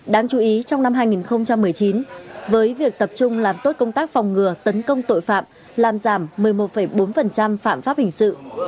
đáng chú ý trong năm hai nghìn một mươi chín với việc tập trung làm tốt công tác phòng ngừa tấn công tội phạm làm giảm một mươi một bốn phạm pháp hình sự